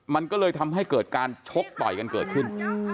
มันก็เลยทำให้เกิดการชกต่อยกันเกิดขึ้น